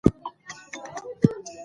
د پښتو متن باید په ږغ واړول شي.